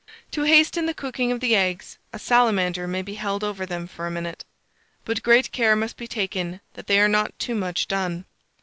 To hasten the cooking of the eggs, a salamander may be held over them for a minute; but great care must be taken that they are not too much done.